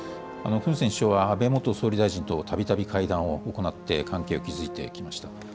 フン・セン首相は、安倍元総理大臣とたびたび会談を行って、関係を築いてきました。